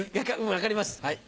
分かりますはい。